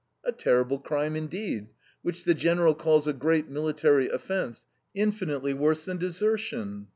A terrible crime, indeed, which the General calls "a great military offense, infinitely worse than desertion."